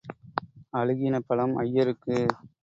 அழுகின பழம் ஐயருக்கு.